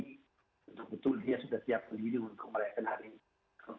tentu tentu dia sudah siap berdiri untuk melayakan hari ini